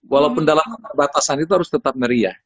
walaupun dalam perbatasan itu harus tetap meriah